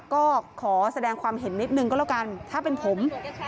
ก็ขอแสดงความเห็นนิดนึงก็แล้วกันถ้าเป็นผม